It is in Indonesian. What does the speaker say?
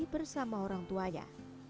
bersama orang tuanya